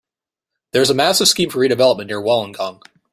There is a massive scheme for redevelopment near Wollongong.